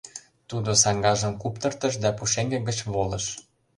— Тудо саҥгажым куптыртыш да пушеҥге гыч волыш.